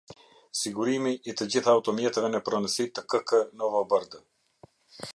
Sigurimi I të gjitha automjeteve në pronsi te k.k.Novobërdë